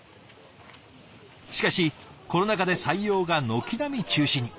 しかしコロナ禍で採用が軒並み中止に。